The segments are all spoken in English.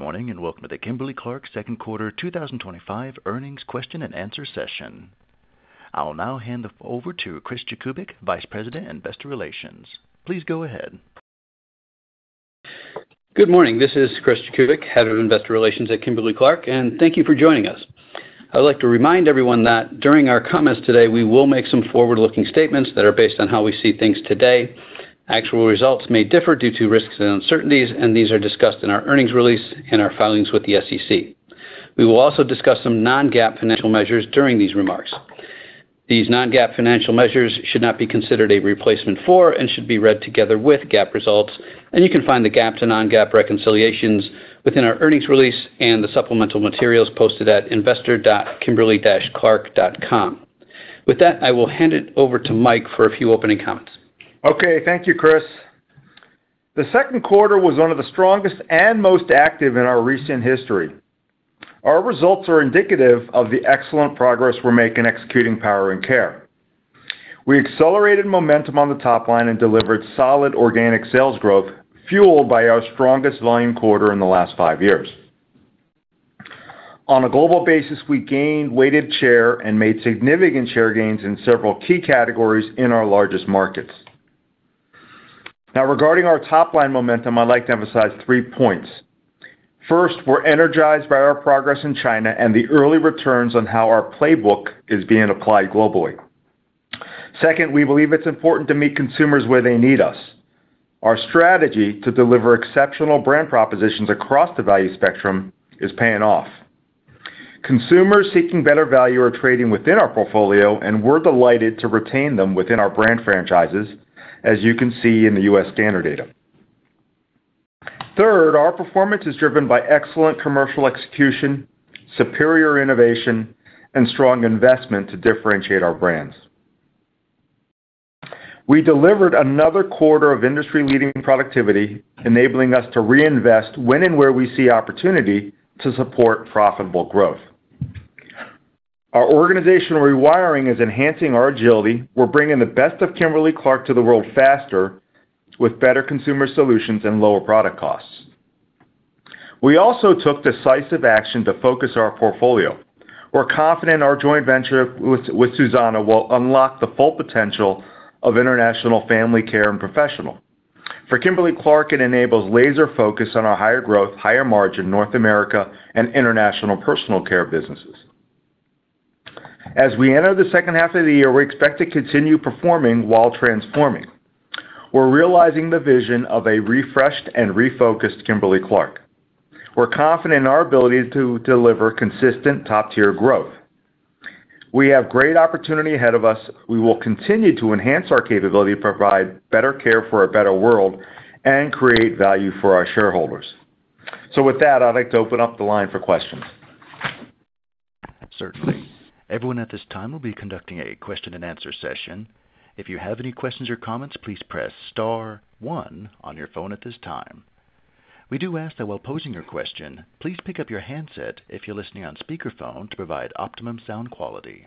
Good morning and welcome to the Kimberly-Clark second quarter 2025 earnings question and answer session. I'll now hand the call over to Chris Jakubik, Vice President, Investor Relations. Please go ahead. Good morning. This is Chris Jakubik, Head of Investor Relations at Kimberly-Clark, and thank you for joining us. I would like to remind everyone that during our comments today we will make some forward-looking statements that are based on how we see things today. Actual results may differ due to risks and uncertainties, and these are discussed in our earnings release and our filings with the SEC. We will also discuss some non-GAAP financial measures during these remarks. These non-GAAP financial measures should not be considered a replacement for and should be read together with GAAP results, and you can find the GAAP to non-GAAP reconciliations within our earnings release and the supplemental materials posted at investor.kimberly-clark.com. With that, I will hand it over to Mike for a few opening comments. Okay, thank you Chris. The second quarter was one of the strongest and most active in our recent history. Our results are indicative of the excellent progress we're making executing Powering Care. We accelerated momentum on the top line and delivered solid organic sales growth fueled by our strongest volume quarter in the last five years. On a global basis, we gained weighted share and made significant share gains in several key categories in our largest markets. Now, regarding our top line momentum, I'd like to emphasize three points. First, we're energized by our progress in China and the early returns on how our playbook is being applied globally. Second, we believe it's important to meet consumers where they need us. Our strategy to deliver exceptional brand propositions across the value spectrum is paying off. Consumers seeking better value are trading within our portfolio and we're delighted to retain them within our brand franchises as you can see in the U.S. Standard data. Third, our performance is driven by excellent commercial execution, superior innovation, and strong investment to differentiate our brands. We delivered another quarter of industry-leading productivity, enabling us to reinvest when and where we see opportunity to support profitable growth. Our organizational rewiring is enhancing our agility. We're bringing the best of Kimberly-Clark to the world faster with better consumer solutions and lower product costs. We also took decisive action to focus our portfolio. We're confident our joint venture with Suzano will unlock the full potential of International Family Care and Professional for Kimberly-Clark. It enables laser focus on our higher growth, higher margin, North America and International Personal Care businesses. As we enter the second half of the year, we expect to continue performing while transforming. We're realizing the vision of a refreshed and refocused Kimberly-Clark. We're confident in our ability to deliver consistent top-tier growth. We have great opportunity ahead of us. We will continue to enhance our capability to provide better care for a better world and create value for our shareholders. With that, I'd like to open up the line for questions. Certainly, everyone, at this time we will be conducting a question and answer session. If you have any questions or comments, please press star one on your phone at this time. We do ask that while posing your question, please pick up your handset if you're listening on speakerphone to provide optimum sound quality.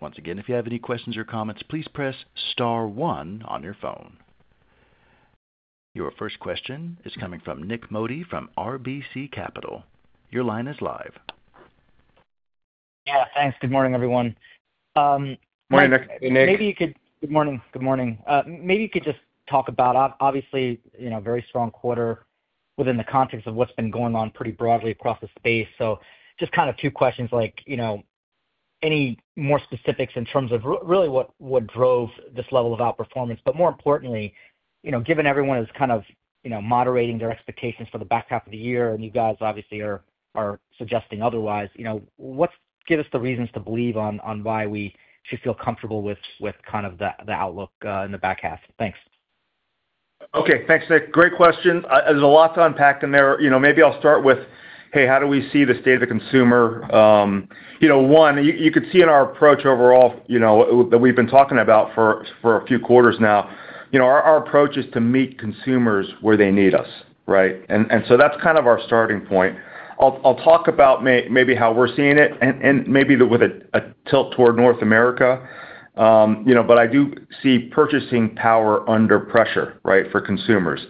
Once again, if you have any questions or comments, please press star one on your phone. Your first question is coming from Nik Modi from RBC Capital. Your line is live. Yeah, thanks. Good morning, everyone. Good morning. Maybe you could just talk about, obviously, you know, very strong quarter within the context of what's been going on pretty broadly across the space. Just kind of two questions. Any more specifics in terms of really what drove this level of outperformance? More importantly, given everyone is kind of moderating their expectations for the back half of the year, and you guys obviously are suggesting otherwise, what gives us the reasons to believe on why we should feel comfortable with kind of the outlook in the back half? Thanks. Okay, thanks, Nik. Great question. There's a lot to unpack in there. Maybe I'll start with, how do we see the state of the consumer? One, you could see in our approach overall that we've been talking about for a few quarters now. Our approach is to meet consumers where they need us. Right. That's kind of our starting point. I'll talk about maybe how we're seeing it and maybe with a tilt toward North America, but I do see purchasing power under pressure for consumers.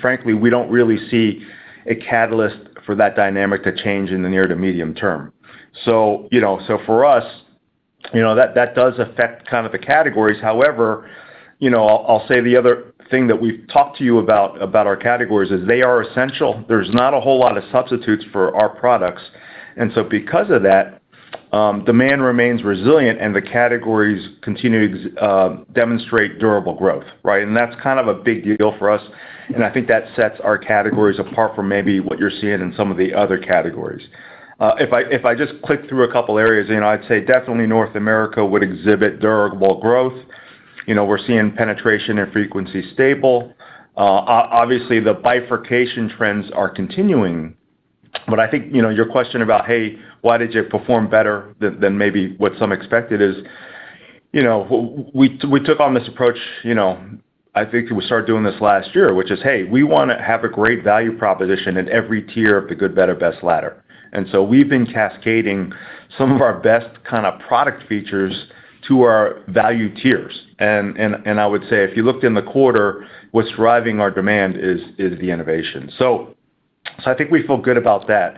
Frankly, we don't really see a catalyst for that dynamic to change in the near to medium term. For us, that does affect the categories. However, the other thing that we've talked to you about our categories is they are essential. There's not a whole lot of substitutes for our products, and because of that, demand remains resilient and the categories continue to demonstrate durable growth. Right? That's kind of a big deal for us. I think that sets our categories apart from maybe what you're seeing in some of the other categories. If I just click through a couple areas, I'd say definitely North America would exhibit durable growth. We're seeing penetration and frequency stable. Obviously, the bifurcation trends are continuing. I think your question about, hey, why did you perform better than maybe what some expected is, we took on this approach. I think we started doing this last year, which is, hey, we want to have a great value proposition in every tier of the good, better, best ladder. We've been cascading some of our best kind of product features to our value tiers. I would say if you looked in the quarter, what's driving our demand is the innovation. I think we feel good about that.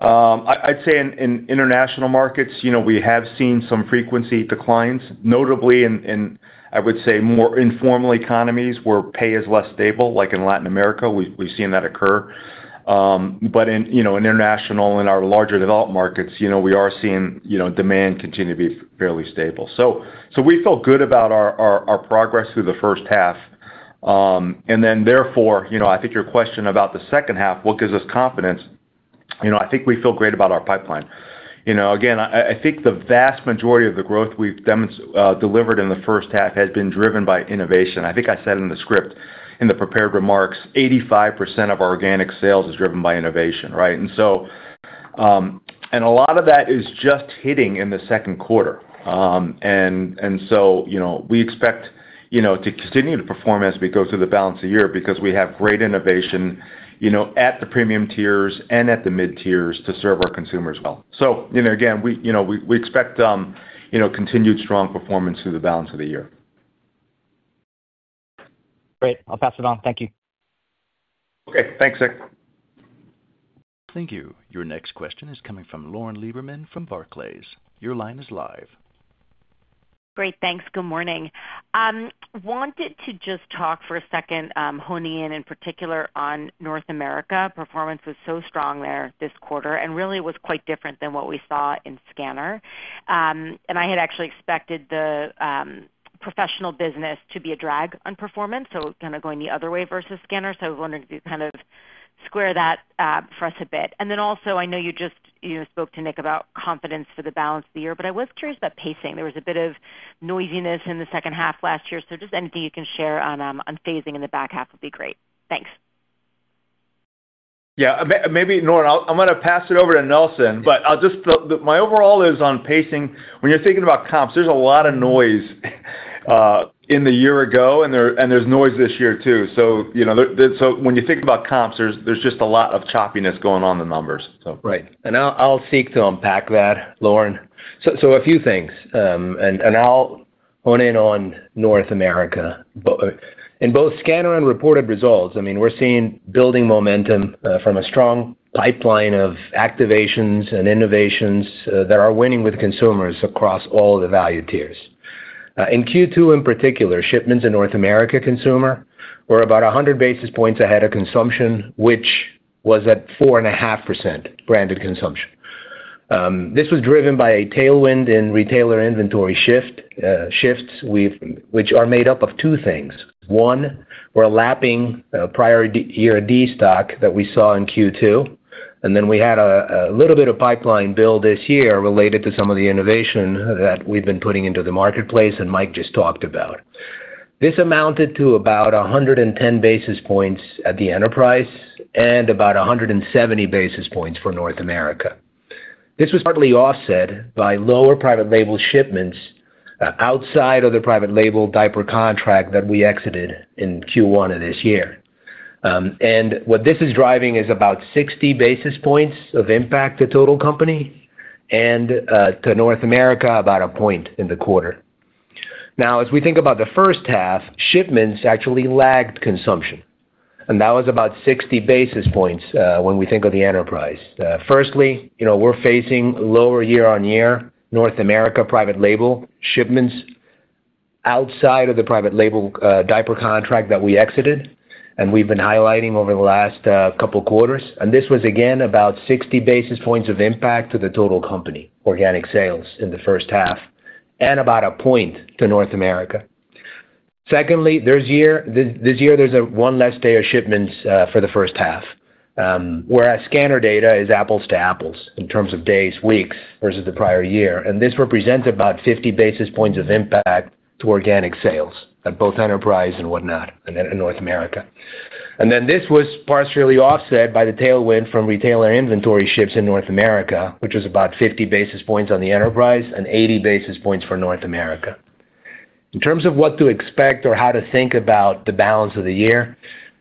I'd say in international markets, we have seen some frequency declines, notably in, I would say, more informal economies where pay is less stable, like in Latin America, we've seen that occur. In international and our larger developed markets, we are seeing demand continue to be fairly stable. We felt good about our progress through the first half. Therefore, I think your question about the second half, what gives us confidence? I think we feel great about our pipeline. Again, I think the vast majority of the growth we've delivered in the first half has been driven by innovation. I think I said in the script, in the prepared remarks, 85% of our organic sales is driven by innovation. Right. A lot of that is just hitting in the second quarter. We expect to continue to perform as we go through the balance of the year because we have great innovation at the premium tiers and at the mid tiers to serve our consumers well. We expect continued strong performance through the balance of the year. Great. I'll pass it on. Thank you. Okay, thanks, Nik. Thank you. Your next question is coming from Lauren Lieberman from Barclays. Your line is live. Great, thanks. Good morning. Wanted to just talk for a second. Honing in in particular on North America. Performance was so strong there this quarter and really was quite different than what we saw in Scanner. I had actually expected the professional business to be a drag on performance, kind of going the other way versus Scanner. I was wondering if you could square that for us a bit. I know you just spoke to Nik about confidence for the balance of the year, but I was curious about pacing. There was a bit of noisiness in the second half last year. Anything you can share on phasing in the back half would be great. Thanks. Yeah, maybe Lauren. I'm going to pass it over to Nelson, but I'll just—my overall is on pacing. When you're thinking about comps, there's a lot of noise in the year ago and there's noise this year too. When you think about comps, there's just a lot of choppiness going on in the numbers. Right. I'll seek to unpack that. Lauren, a few things, and I'll hone in on North America. In both scanner and reported results, we're seeing building momentum from a strong pipeline of activations and innovations that are winning with consumers across all the value tiers. In Q2, in particular, shipments in North America consumer were about 100 basis points ahead of consumption, which was at 4.5% branded consumption. This was driven by a tailwind in retailer inventory shifts, which are made up of two things. One, we're lapping prior year destock that we saw in Q2. We had a little bit of pipeline build this year related to some of the innovation that we've been putting into the marketplace. Mike just talked about this amounted to about 110 basis points at the enterprise and about 170 basis points for North America. This was partly offset by lower private label shipments outside of the private label diaper contract that we exited in Q1 of this year. What this is driving is about 60 basis points of impact to total company and to North America about a point in the quarter. As we think about the first half, shipments actually lagged consumption and that was about 60 basis points when we think of the enterprise. Firstly, we're facing lower year-on-year North America private label shipments outside of the private label diaper contract that we exited and we've been highlighting over the last couple quarters. This was again about 60 basis points of impact to the total company organic sales in the first half and about a point to North America. Secondly, this year there's one less day of shipments for the first half. Whereas scanner data is apples to apples in terms of days, weeks versus the prior year. This represents about 50 basis points of impact to organic sales at both enterprise and in North America. This was partially offset by the tailwind from retailer inventory shifts in North America, which was about 50 basis points on the enterprise and 80 basis points for North America. In terms of what to expect or how to think about the balance of the year,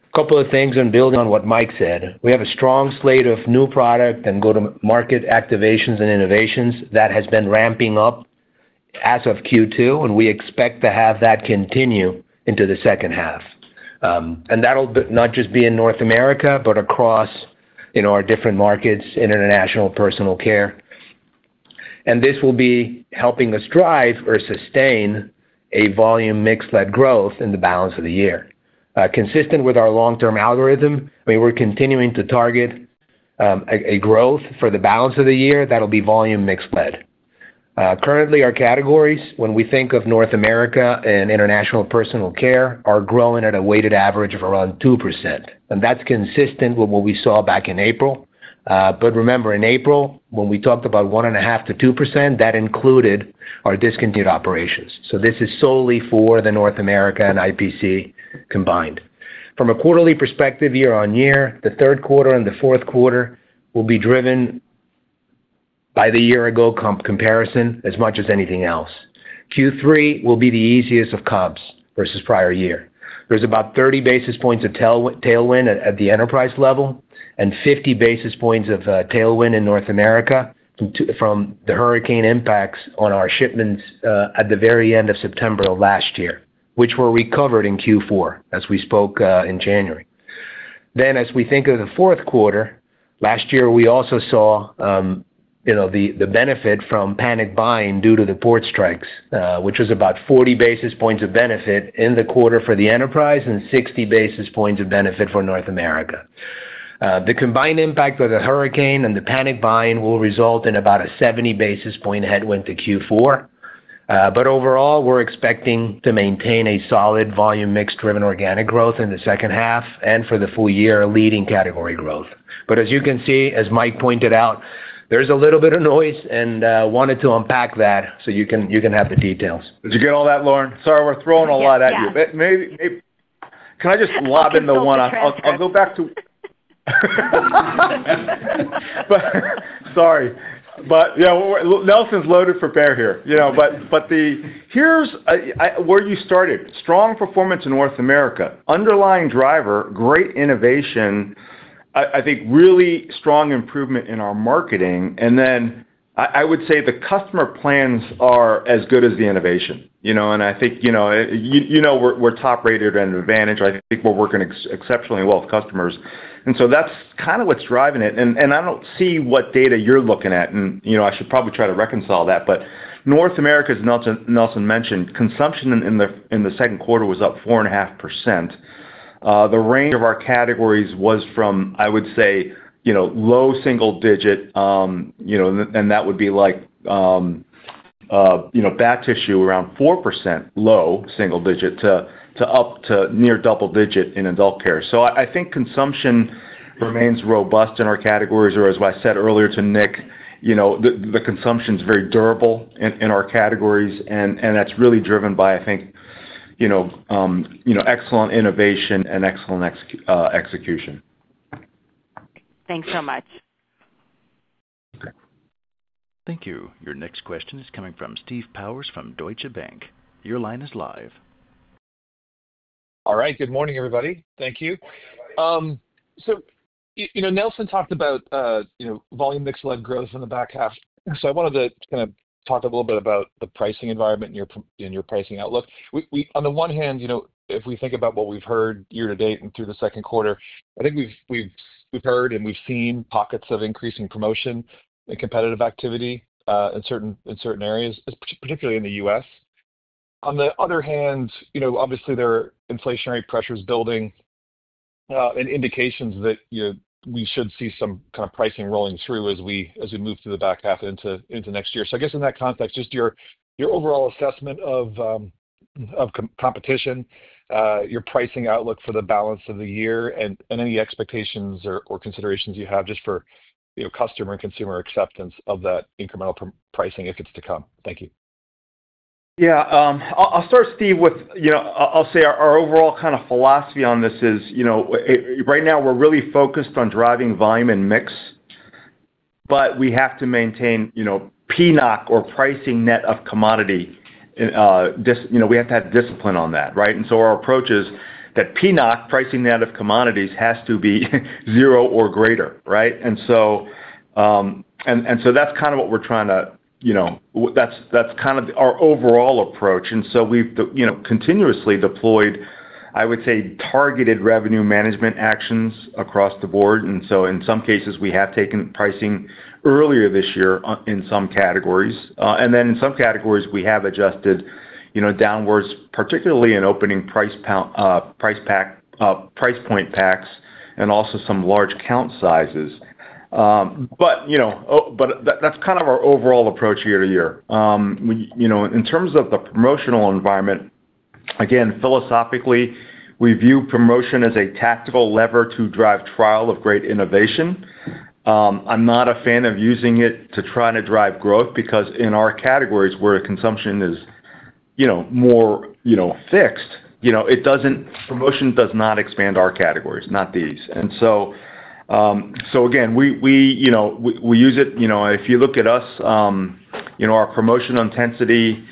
a couple of things. Building on what Mike said, we have a strong slate of new product and go-to-market activations and innovations that has been ramping up as of Q2 and we expect to have that continue into the second half. That will not just be in North America but across our different markets. International Personal care and this will be helping us drive or sustain a volume mix led growth in the balance of the year. Consistent with our long term algorithm, we were continuing to target a growth for the balance of the year that will be volume mix led. Currently our categories when we think of North America and International Personal Care are growing at a weighted average of around 2% and that's consistent with what we saw back in April. Remember in April when we talked about 1.5%-2% that included our discontinued operations. This is solely for the North America and IPC combined from a quarterly perspective, year-on-year, the third quarter and the fourth quarter will be driven by the year ago comparison as much as anything else. Q3 will be the easiest of comps versus prior year. There's about 30 basis points of tailwind at the enterprise level and 50 basis points of tailwind in North America from the hurricane impacts on our shipments at the very end of September of last year, which were recovered in Q4 as we spoke in January. As we think of the fourth quarter last year, we also saw the benefit from panic buying due to the port strikes, which was about 40 basis points of benefit in the quarter for the enterprise and 60 basis points of benefit for North America. The combined impact of the hurricane and the panic buying will result in about a 70 basis point headwind to Q4. Overall we're expecting to maintain a solid volume mix driven organic growth in the second half and for the full year leading category growth. As you can see, as Mike pointed out, there's a little bit of noise and wanted to unpack that so you can have the details. Did you get all that, Lauren? Sorry, we're throwing a lot at you. Can I just lob in the one I'll go back to? Sorry, but Nelson's loaded for bear here. Here's where you started. Strong performance in North America, underlying driver, great innovation. I think really strong improvement in our marketing. I would say the customer plans are as good as the innovation and I think we're top rated and advantage. I think we're working exceptionally well with customers and that's kind of what's driving it. I don't see what data you're looking at and I should probably try to reconcile that. North America, as Nelson mentioned, consumption in the second quarter was up 4.5%. The range of our categories was from, I would say, low single digit, and that would be like bath tissue, around 4% low single digit to up to near double digit in adult care. I think consumption remains robust in our categories, or as I said earlier to Nik, the consumption is very durable in our categories and that's really driven by, I think, excellent innovation and excellent execution. Thanks so much. Thank you. Your next question is coming from Steve Powers from Deutsche Bank. Your line is live. All right, good morning, everybody. Thank you. Nelson talked about volume mix led growth in the back half. I wanted to kind of talk a little bit about the pricing environment in your pricing outlook. On the one hand, if we think about what we've heard year to date and through the second quarter, I think we've heard and we've seen pockets of increasing promotion and competitive activity in certain areas, particularly in the U.S. On the other hand, obviously there are inflationary pressures building and indications that we should see some kind of pricing rolling through as we move through the back half into next year. I guess in that context, just your overall assessment of competition, your pricing outlook for the balance of the year and any expectations or considerations you have just for customer and consumer acceptance of that incremental pricing if it's to come. Thank you. Yeah, I'll start, Steve, with, you know, I'll say our overall kind of philosophy on this is, you know, right now we're really focused on driving volume and mix, but we have to maintain, you know, PNOC or price net of commodity. You know, we have to have discipline on that. Right. Our approach is that PNOC, price net of commodities, has to be zero or greater. Right. That's kind of what we're trying to, you know, that's kind of our overall approach. We continuously deployed, I would say, targeted revenue management actions across the board. In some cases, we have taken pricing earlier this year in some categories, and then in some categories we have adjusted downwards, particularly in opening price point packs and also some large count sizes. That's kind of our overall approach year to year in terms of the promotional environment. Again, philosophically, we view promotion as a tactical lever to drive trial of great innovation. I'm not a fan of using it to try to drive growth because in our categories where consumption is more fixed, promotion does not expand our categories, not these. We use it, and if you look at us, our promotional intensity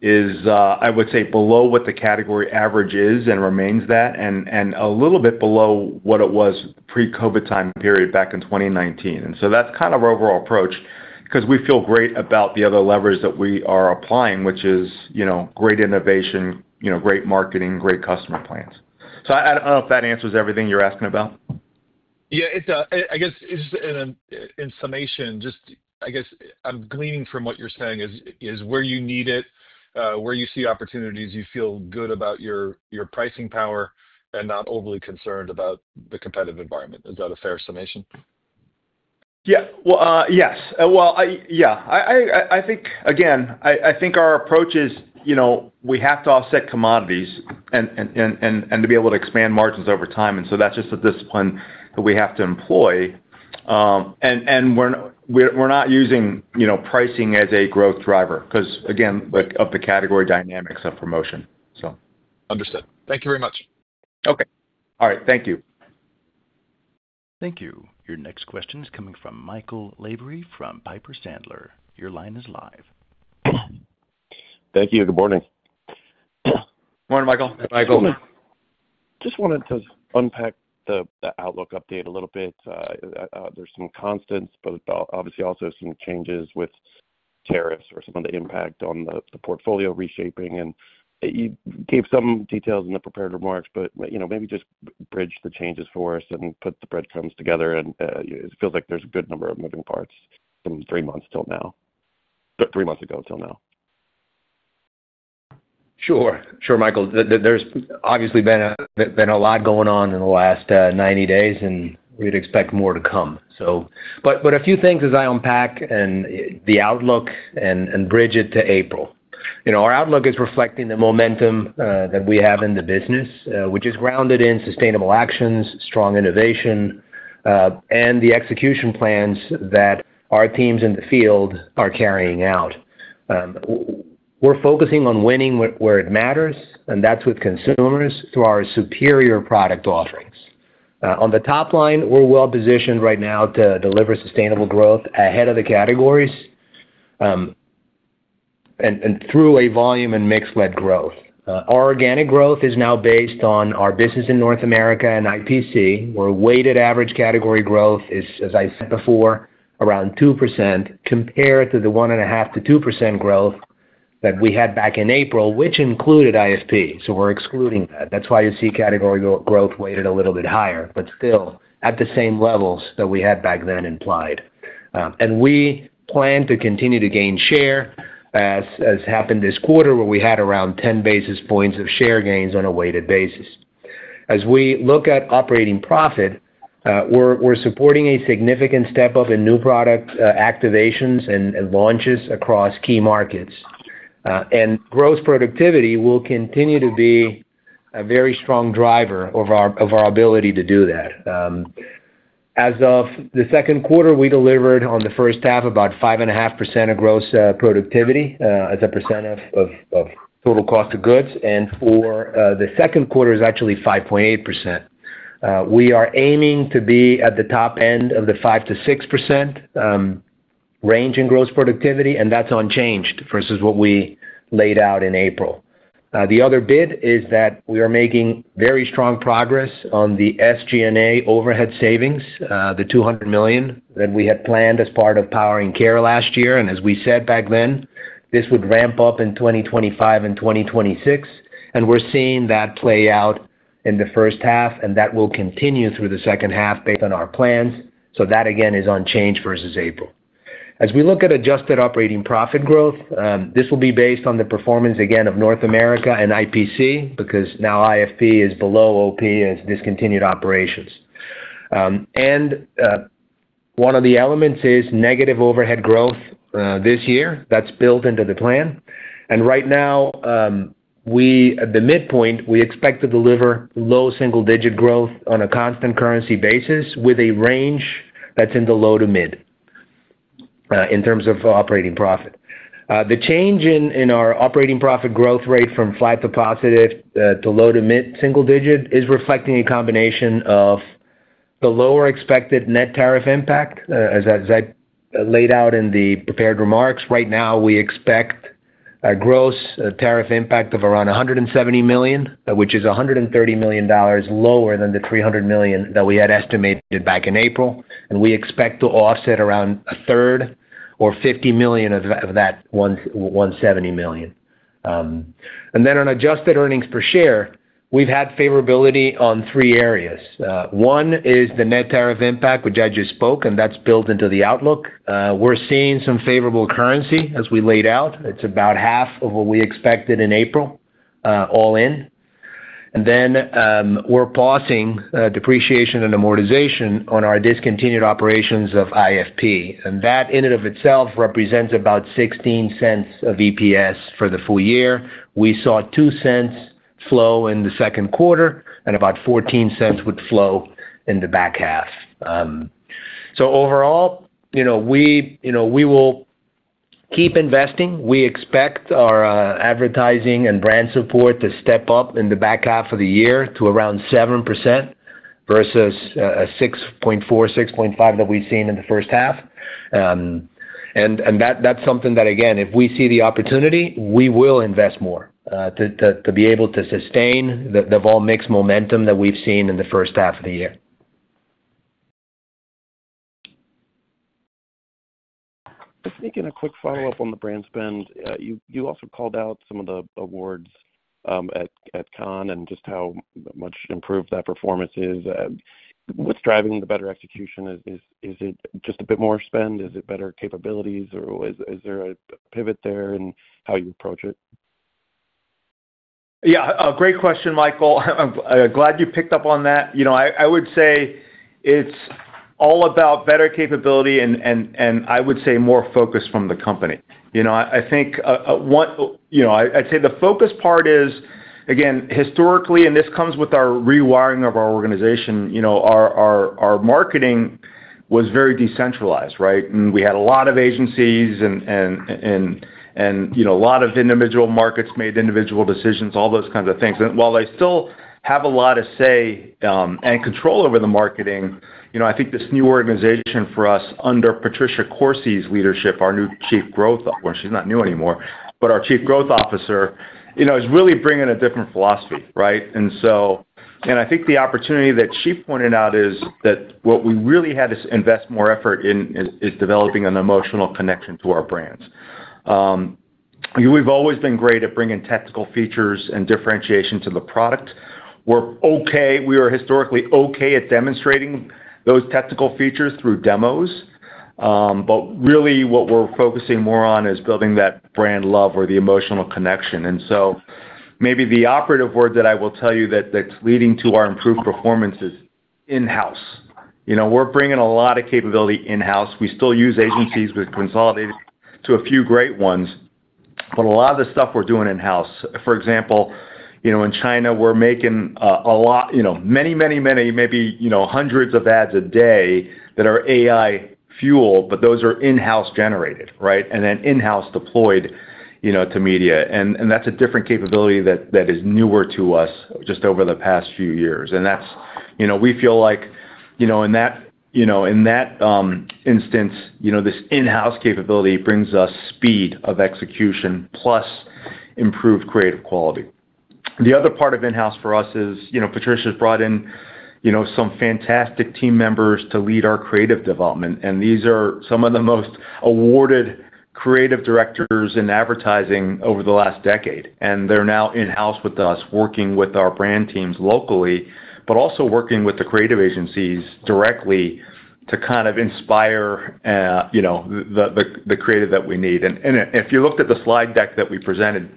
is, I would say, below what the category average is and remains that and a little bit below what it was pre-COVID time period back in 2019. That's kind of our overall approach because we feel great about the other levers that we are applying, which is great innovation, great marketing, great customer plans. I don't know if that answers everything you're asking about. Yeah, I guess in summation, I'm gleaning from what you're saying is where you need it, where you see opportunities, you feel good about your pricing power and not overly concerned about the competitive environment. Is that a fair summation? Yeah. Yes. I think again, I think our approach is, you know, we have to offset commodities and to be able to expand margins over time. That's just a discipline that we have to employ. We're not using, you know, pricing as a growth driver because again, of the category dynamics of promotion. Understood. Thank you very much. Okay. All right. Thank you. Thank you. Your next question is coming from Michael Lavery from Piper Sandler. Your line is live. Thank you. Good morning. Morning, Michael. Just wanted to unpack the outlook update a little bit. There are some constants, but obviously also some changes with tariffs or some of the impact on the portfolio reshaping. You gave some details in the prepared remarks. Maybe just bridge the changes for us and put the breadcrumbs together. It feels like there's a good number of moving parts from three months ago till now. Sure, sure, Mike. There's obviously been a lot going on. In the last 90 days and we'd expect more to come. A few things as I unpack the outlook and bridge it to April. You know, our outlook is reflecting the momentum that we have in the business, which is grounded in sustainable actions, strong innovation, and the execution plans that our teams in the field are carrying out. We're focusing on winning where it matters, and that's with consumers through our superior product offerings on the top line. We're well positioned right now to deliver sustainable growth ahead of the categories and through a volume and mix led growth. Our organic growth is now based on our business in North America and IPC where weighted average category growth is, as I said before, around 2% compared to the 1.5%-2% growth that we had back in April, which included IFP, so we're excluding that. That's why you see category growth weighted a little bit higher but still at the same levels that we had back then implied. We plan to continue to gain share as happened this quarter, where we had around 10 basis points of share gains on a weighted basis. As we look at operating profit, we're supporting a significant step up in new product activations and launches across key markets. Gross productivity will continue to be a very strong driver of our ability to do that. As of the second quarter, we delivered on the first half about 5.5% of gross productivity as a percent of total cost of goods and for the second quarter is actually 5.8%. We are aiming to be at the top end of the 5%-6% range in gross productivity and that's unchanged versus what we laid out in April. The other bit is that we are making very strong progress on the SG&A overhead savings, the $200 million that we had planned as part of Powering Care last year. As we said back then, this would ramp up in 2025 and 2026. We're seeing that play out in the first half and that will continue through the second half based on our plans. That again is unchanged versus April. As we look at adjusted operating profit growth, this will be based on the performance again of North America and IPC because now IFP is below OP as discontinued operations and one of the elements is negative overhead growth this year. That's built into the plan. Right now at the midpoint, we expect to deliver low single digit growth on a constant currency basis with a range that's in the low to mid in terms of operating profit. The change in our operating profit growth rate from flat to positive to low to mid single digit is reflecting a combination of the lower expected net tariff impact, as I laid out in the prepared remarks. Right now we expect a gross tariff impact of around $170 million, which is $130 million lower than the $300 million that we had estimated back in April. We expect to offset around a third or $50 million of that $170 million. On adjusted earnings per share, we've had favorability on three areas. One is the net tariff impact, which I just spoke, and that's built into the outlook. We're seeing some favorable currency as we laid out, it's about half of what we expected in April all in. We're pausing depreciation and amortization on our discontinued operations of IFP. That in and of itself represents about $0.16 of EPS for the full year. We saw $0.02 flow in the second quarter and about $0.14 would flow in the back half. Overall, we will keep investing. We expect our advertising and brand support to step up in the back half of the year to around 7% versus a 6.4%, 6.5% that we've seen in the first half. That's something that, if we see the opportunity, we will invest more to be able to sustain the volume mix momentum that we've seen in the first half of the year. Just making a quick follow-up on the brand spend. You also called out some of the awards at Cannes and just how much improved that performance is. What's driving the better execution? Is it just a bit more spend? Is it better capabilities or is there a pivot there in how you approach it? Yeah, great question, Michael. Glad you picked up on that. I would say it's all about better capability, and I would say more focus from the company. I think I'd say the focus part is, again, historically, and this comes with our rewiring of our organization, our marketing was very decentralized, right? We had a lot of agencies, and a lot of individual markets made individual decisions, all those kinds of things. While they still have a lot of say and control over the marketing, I think this new organization for us under Patricia Corsi's leadership, our Chief Growth Officer, is really bringing a different philosophy. I think the opportunity that she pointed out is that what we really had to invest more effort in is developing an emotional connection to our brands. We've always been great at bringing technical features and differentiation to the product. We're okay, we were historically okay at demonstrating those technical features through demos, but really what we're focusing more on is building that brand love or the emotional connection. Maybe the operative word that I will tell you that's leading to our improved performance is in house. We're bringing a lot of capability in house. We still use agencies, we've consolidated to a few great ones, but a lot of the stuff we're doing in house. For example, in China, we're making many, many, many, maybe hundreds of ads a day that are AI fueled, but those are in house generated, right? Then in house deployed to media. That's a different capability that is newer to us just over the past few years. We feel like, in that instance, this in house capability brings us speed of execution plus improved creative quality. The other part of in house for us is Patricia's brought in some fantastic team members to lead our creative development. These are some of the most awarded creative directors in advertising over the last decade, and they're now in house with us, working with our brand teams locally, but also working with the creative agencies directly to kind of inspire the creative that we need. If you looked at the slide deck that we presented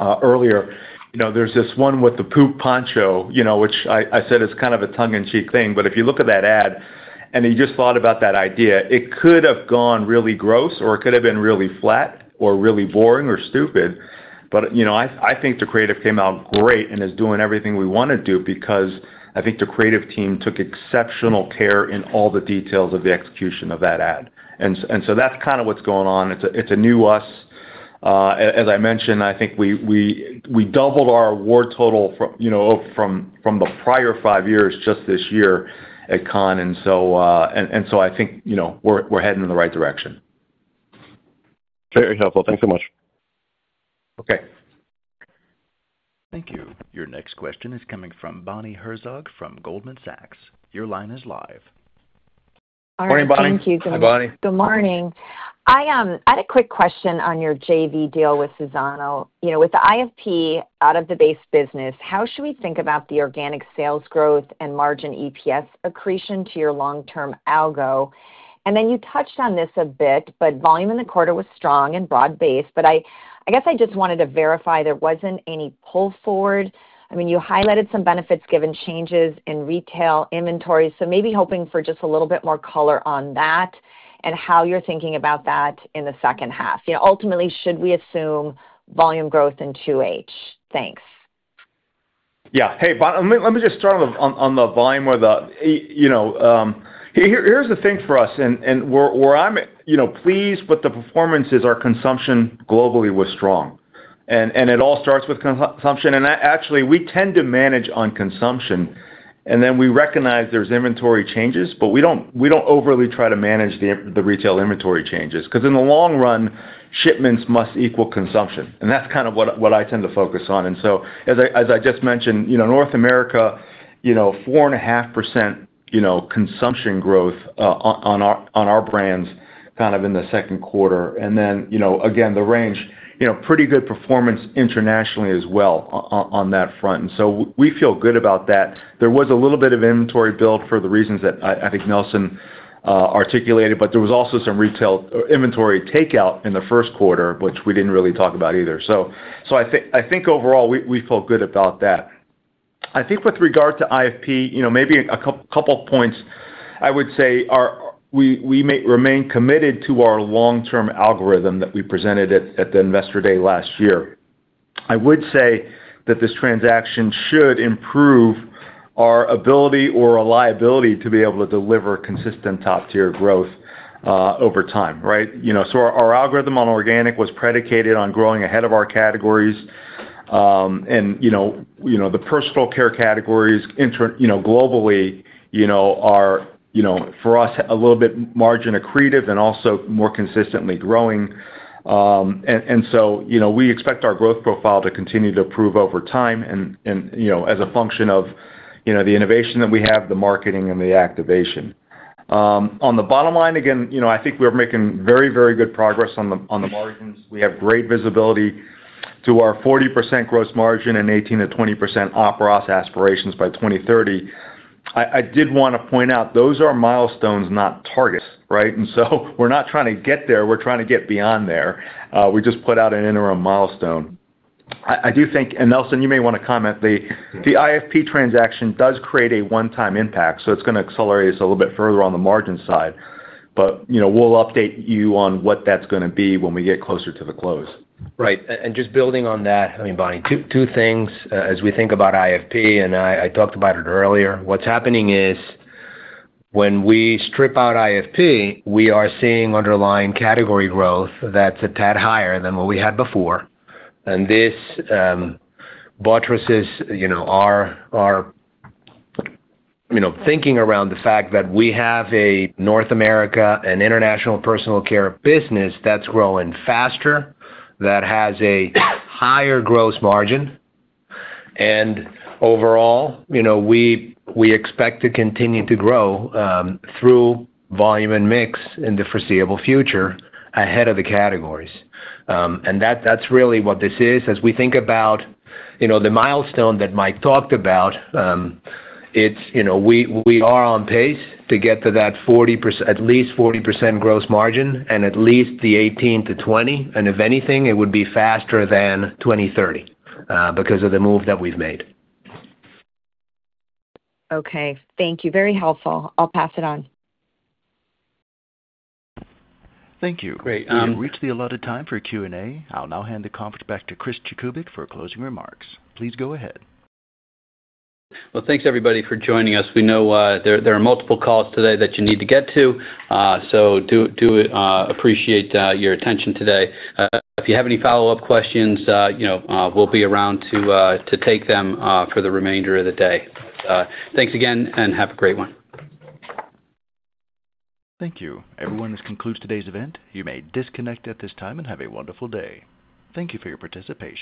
earlier, there's this one with the Poop Poncho, which I said is kind of a tongue in cheek thing, but if you look at that ad and you just thought about that idea, it could have gone really gross or it could have been really flat or really boring or stupid. I think the creative came out great and is doing everything we want to do because I think the creative team took exceptional care in all the details of the execution of that ad. That's kind of what's going on. It's a new us. As I mentioned, I think we doubled our award total from the prior five years just this year at Cannes. I think we're heading in the right direction. Very helpful. Thanks so much. Okay, thank you. Your next question is coming from Bonnie Herzog from Goldman Sachs. Your line is live. Morning, Bonnie. Thank you,. Hi Bonnie. Good morning. I had a quick question on your JV deal with Suzano. With the IFP out of the base business, how should we think about the organic sales EPS accretion to your long term algo? You touched on this a bit. Volume in the quarter was strong and broad based. I just wanted to verify there wasn't any pull forward. You highlighted some benefits given changes in retail inventory. Maybe hoping for just a little bit more color on that and how you're thinking about that in the second half. Ultimately, should we assume volume growth in 2H? Thanks. Yeah. Hey, let me just start on the volume or the, you know, here's the thing for us and where I'm pleased with the performance is our consumption globally was strong and it all starts with consumption. Actually, we tend to manage on consumption and then we recognize there's inventory changes, but we don't overly try to manage the retail inventory changes because in the long run shipments must equal consumption. That's kind of what I tend to focus on. As I just mentioned, North America, you know, 4.5% consumption growth on our brands kind of in the second quarter and then, again, the range, you know, pretty good performance internationally as well on that front. We feel good about that. There was a little bit of inventory build for the reasons that I think Nelson articulated, but there was also some retail inventory takeout in the first quarter which we didn't really talk about either. I think overall we feel good about that. I think with regard to IFP, maybe a couple points. I would say we remain committed to our long term algorithm that we presented at the investor day last year. I would say that this transaction should improve our ability or liability to be able to deliver consistent top tier growth over time. Right. Our algorithm on organic was predicated on growing ahead of our categories. The personal care categories globally are, for us, a little bit margin accretive and also more consistently growing. We expect our growth profile to continue to improve over time and as a function of the innovation that we have, the marketing and the activation on the bottom line. Again, I think we're making very, very good progress on the margins. We have great visibility to our 40% gross margin and 18%-20% operating profit margin aspirations by 2030. I did want to point out those are milestones, not targets. We're not trying to get there, we're trying to get beyond there. We just put out an interim milestone. I do think, and Nelson, you may want to comment, the IFP transaction does create a one time impact. It's going to accelerate us a little bit further on the margin side. We'll update you on what that's going to be when we get closer to the close. Right. Just building on that, Bonnie, two things as we think about IFP and I talked about it earlier, what's happening is when we strip out IFP, we are seeing underlying category growth that's a tad higher than what we had before. This buttresses our thinking around the fact that we have a North America and International Personal Care business that's growing faster, that has a higher gross margin and overall we expect to continue to grow through volume and mix in the foreseeable future ahead of the categories. That's really what this is. As we think about the milestone that Mike talked about, we are on pace to get to that 40%—at least 40% gross margin and at least the 18%-20%, and if anything it would be faster than 2030 because of the move that we've made. Okay, thank you. Very helpful. I'll pass it on. Thank you. We've reached the allotted time for Q&A. I'll now hand the conference back to Chris Jakubik for closing remarks. Please go ahead. Thank you everybody for joining us. We know there are multiple calls today that you need to get to, so do appreciate your attention today. If you have any follow up questions, we'll be around to take them for the remainder of the day. Thanks again and have a great one. Thank you, everyone. This concludes today's event. You may disconnect at this time and have a wonderful day. Thank you for your participation.